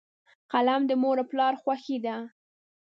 قلم د مور او پلار خوښي ده.